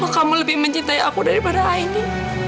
kalau kamu lebih mencintai aku daripada aini